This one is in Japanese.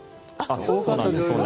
多かったですよね